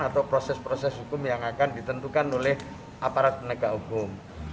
atau proses proses hukum yang akan ditentukan oleh aparat penegak hukum